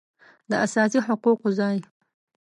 داساسي حقوقو ځای